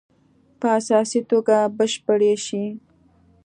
په اساسي توګه بشپړې شي.